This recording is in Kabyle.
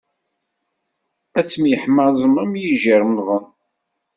Ad temyeḥmaẓem am yijirmeḍen.